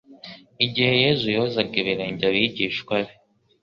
Igihe Yesu yozaga ibirenge by'abigishwa be,